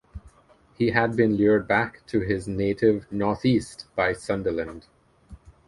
He had been lured back to his native north-east by Sunderland.